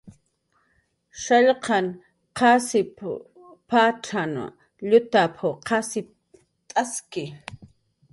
"Shallqaq qasip patzan llutap"" qasipt'aski"